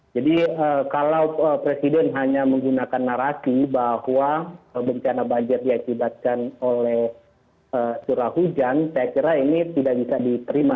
jadi kalau presiden hanya menggunakan narasi bahwa bencana banjir diakibatkan oleh curah hujan saya kira ini tidak bisa diterima